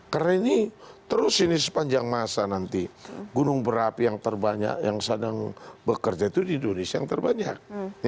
karena ini terus ini sepanjang masa nanti gunung berapi yang terbanyak yang sedang bekerja itu di indonesia yang terbanyak